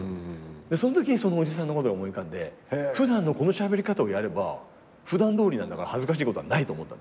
そんときにそのおじさんのことが思い浮かんで普段のこのしゃべり方をやれば普段どおりなんだから恥ずかしいことはないと思った。